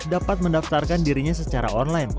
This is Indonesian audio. dapat mendaftarkan dirinya secara online